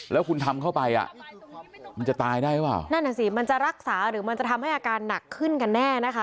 แล้วคุณทำเข้าไปอ่ะมันจะตายได้หรือเปล่านั่นน่ะสิมันจะรักษาหรือมันจะทำให้อาการหนักขึ้นกันแน่นะคะ